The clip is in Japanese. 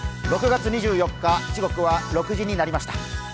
６月２４日時刻は６時になりました。